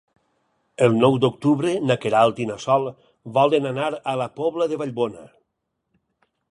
El nou d'octubre na Queralt i na Sol volen anar a la Pobla de Vallbona.